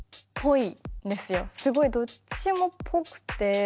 すごいどっちもぽくて。